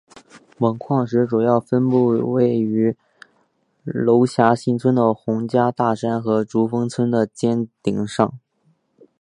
锰矿石主要分布于位于娄霞新村的洪家大山和竹峰村的尖顶山中。